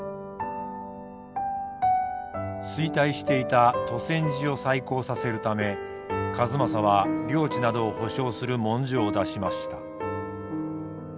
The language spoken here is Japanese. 衰退していた兎川寺を再興させるため数正は領地などを保証する文書を出しました。